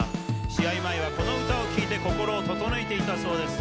試合前はこの歌を聴いて、心を整えていたそうです。